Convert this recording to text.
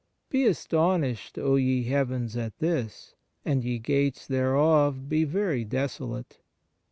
" Be astonished, O ye heavens, at this: and ye gates thereof be very desolate."